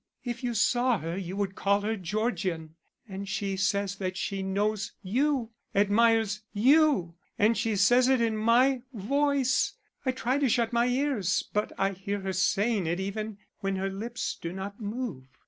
If you saw her you would call her Georgian. And she says that she knows you, admires you! and she says it in my voice! I try to shut my ears, but I hear her saying it even when her lips do not move.